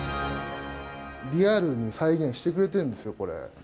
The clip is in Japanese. リアルに再現してくれてるんですよ、これ。